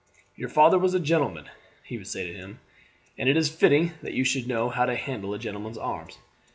"Your father was a gentleman," he would say to him, "and it is fitting that you should know how to handle a gentleman's arms.